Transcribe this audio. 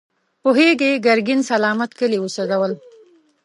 پوهېږې، ګرګين سلامت کلي وسوځول.